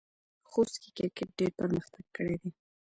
خوست کې کرکټ ډېر پرمختګ کړی دی.